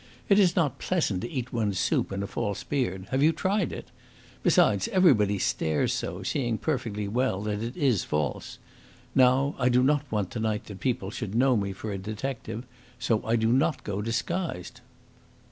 It is not pleasant to eat one's soup in a false beard. Have you tried it? Besides, everybody stares so, seeing perfectly well that it is false. Now, I do not want to night that people should know me for a detective; so I do not go disguised."